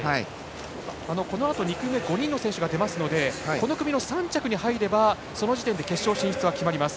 このあと２組目５人が出ますのでこの組の３着に入ればその時点で決勝進出は決まります。